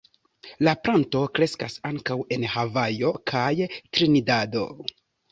La planto kreskas ankaŭ en Havajo kaj Trinidado.